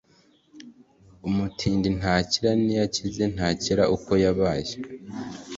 Umutindi ntacyira niyo akize ntakira uko yabaye.